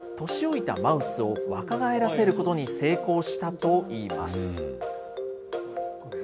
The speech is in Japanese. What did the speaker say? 中西さんは実験で、年老いたマウスを若返らせることに成功したといいます。